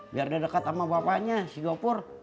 biar dia dekat sama bapaknya si jopur